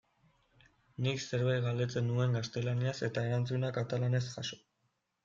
Nik zerbait galdetzen nuen gaztelaniaz eta erantzuna katalanez jaso.